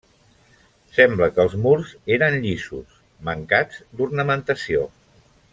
Sembla que els murs eren llisos, mancats d'ornamentació.